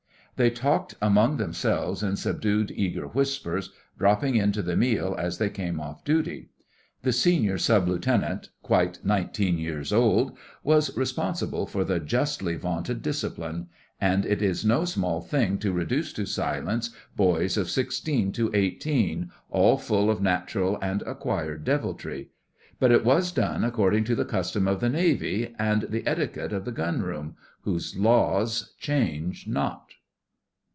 They talked among themselves in subdued eager whispers, dropping in to the meal as they came off duty. The senior Sub Lieutenant (quite nineteen years old) was responsible for the justly vaunted discipline; and it is no small thing to reduce to silence boys of sixteen to eighteen, all full of natural and acquired deviltry. But it was done according to the custom of the Navy and the etiquette of the Gun room, whose laws change not.